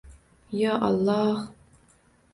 Yo Alloh!